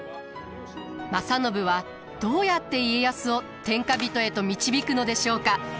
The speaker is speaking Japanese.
正信はどうやって家康を天下人へと導くのでしょうか？